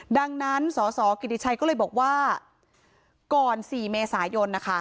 ดังนั้นสอกิติชัยก็เลยบอกว่า